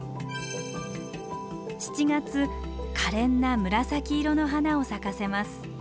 ７月かれんな紫色の花を咲かせます。